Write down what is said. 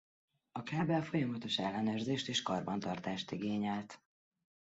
A kábel folyamatos ellenőrzést és karbantartást igényelt.